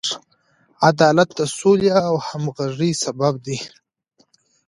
عدالت د سولې او همغږۍ سبب دی.